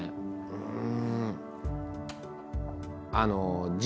うん。